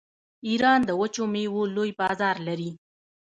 ایران د وچو میوو لوی بازار لري.